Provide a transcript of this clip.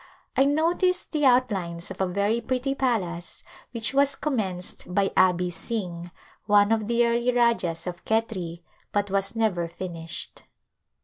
I noticed the out lines of a very pretty palace which was commenced by Abi Sing, one of the early Rajahs of Khetri, but was never finished.